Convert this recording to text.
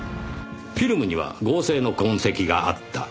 フィルムには合成の痕跡があった。